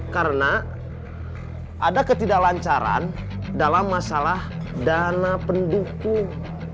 karena ada ketidaklancaran dalam masalah dana pendukung